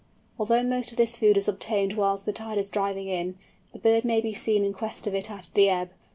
Although most of this food is obtained whilst the tide is driving in, the bird may be seen in quest of it at the ebb.